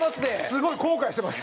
すごい後悔してます。